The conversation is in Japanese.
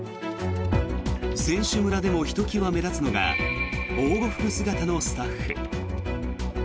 選手村でもひときわ目立つのが防護服姿のスタッフ。